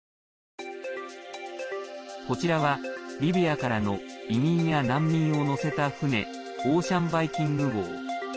こちらは、リビアからの移民や難民を乗せた船オーシャン・バイキング号。